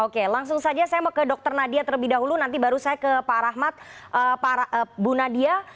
oke langsung saja saya mau ke dr nadia terlebih dahulu nanti baru saya ke pak rahmat bu nadia